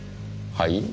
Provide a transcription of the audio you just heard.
はい？